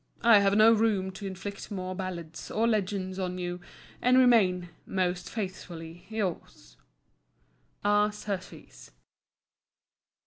I have no room to inflict more ballads or legends on you; and remain, most faithfully yours, R. SURTEES.